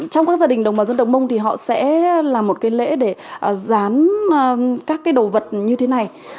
trong các gia đình đồng bào dân tộc mông thì họ sẽ làm một cái lễ để dán các cái đồ vật như thế này